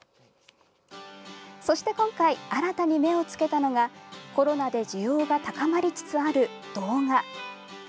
そして今回新たに目をつけたのがコロナで需要が高まりつつある動画。